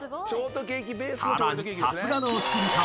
［さらにさすがの押切さん］